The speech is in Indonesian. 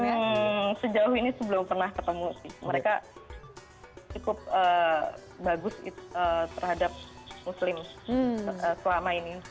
kalau kita lihat yang sejauh ini sebelum pernah ketemu mereka cukup bagus terhadap muslim selama ini